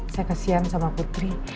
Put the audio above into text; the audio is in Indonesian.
saya kesian sama putri